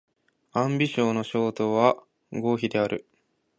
安徽省の省都は合肥である